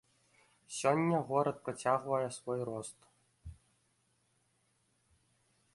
Сёння горад працягвае свой рост.